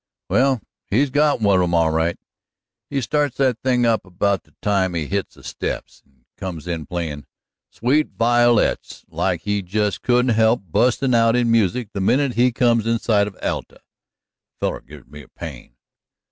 "Well, he's got one of 'em, all right. He starts that thing up about the time he hits the steps, and comes in playin' 'Sweet Vilelets' like he just couldn't help bustin' out in music the minute he comes in sight of Alta. That feller gives me a pain!"